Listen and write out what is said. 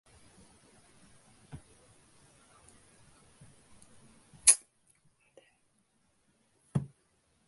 செய்திகளை விடச் சொல்பவரின் தகுதியும் திறமையும் கணக்கில் எடுத்துக் கொள்ளப் பெறுதல் வேண்டும்.